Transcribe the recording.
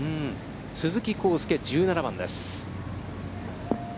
鈴木晃祐、１７番です。